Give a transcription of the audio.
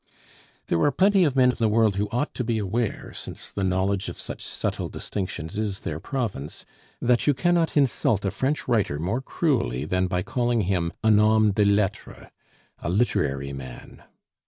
There are plenty of men of the world who ought to be aware, since the knowledge of such subtle distinctions is their province, that you cannot insult a French writer more cruelly than by calling him un homme de lettres a literary man.